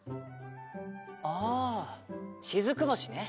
ああしずく星ね。